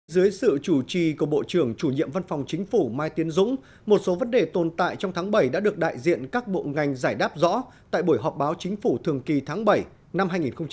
dưới sự chủ trì của bộ trưởng chủ nhiệm văn phòng chính phủ mai tiến dũng một số vấn đề tồn tại trong tháng bảy đã được đại diện các bộ ngành giải đáp rõ tại buổi họp báo chính phủ thường kỳ tháng bảy năm hai nghìn một mươi chín